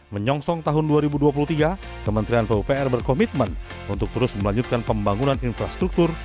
menyongsong tahun dua ribu dua puluh tiga kementerian pupr berkomitmen untuk terus melanjutkan pembangunan infrastruktur